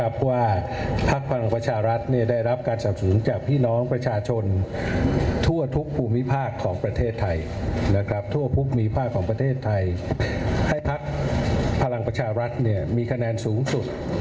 ภักร์พลังประชารัฐเนี่ยมีคะแนนสูงสุด